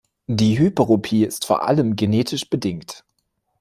Die Hyperopie ist vor allem genetisch bedingt.